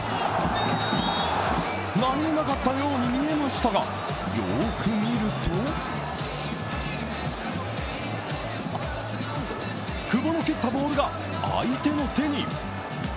何もなかったようにみえましたが、よーく見ると久保の蹴ったボールが相手の手に。